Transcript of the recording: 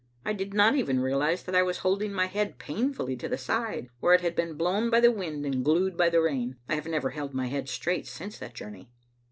I did not even realize that I was holding my head painfully to the side where it had been blown by the wind and glued by the rain. I have never held my head straight since that journey.